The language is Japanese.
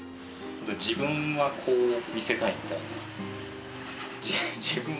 自分はこう見せたいみたいな。